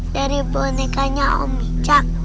dari bonekanya om wicca